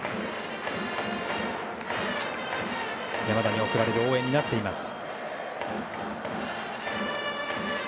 山田に送られる応援になっています。